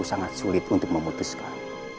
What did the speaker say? sangat sulit untuk memutuskan